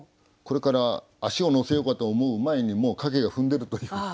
これから足をのせようかと思う前にもう影が踏んでるという。